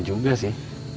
gak juga sih